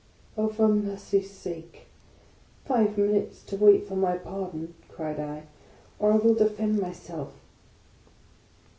" Oh, for mercy's sake ! five minutes to wait for my par don," cried I, " or I will defend myself."